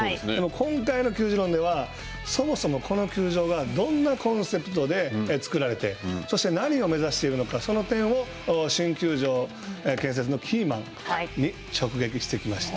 今回の球自論では、そもそもこの球場がどんなコンセプトで造られて、そして、何を目指しているのか、その点を新球場建設のキーマンに直撃してきました。